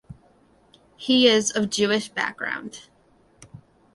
He is of Jewish background.